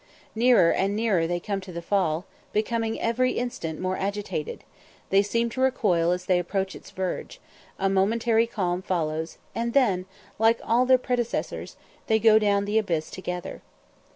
Nearer and nearer they come to the Fall, becoming every instant more agitated; they seem to recoil as they approach its verge; a momentary calm follows, and then, like all their predecessors, they go down the abyss together.